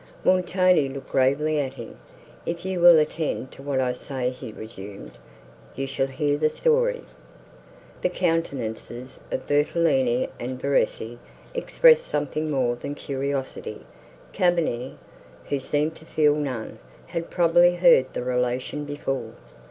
Montoni looked gravely at him. "If you will attend to what I say," he resumed, "you shall hear the story." The countenances of Bertolini and Verezzi expressed something more than curiosity; Cavigni, who seemed to feel none, had probably heard the relation before.